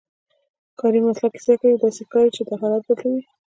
کاري مسلک کیسه کوي، داسې ښکاري چې دا حالت بدلوي.